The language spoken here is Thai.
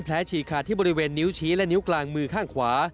ฉีกขาดที่บริเวณนิ้วชี้และนิ้วกลางมือข้างขวา